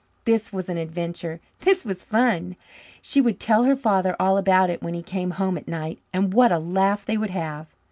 This was an adventure this was fun! She would tell her father all about it when he came home at night and what a laugh they would have!